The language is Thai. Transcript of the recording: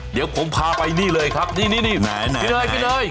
เดี๋ยวผมพาไปนี่เลยครับนี่นี่นี่นี่นี่พี่เน้ยกินเง้ย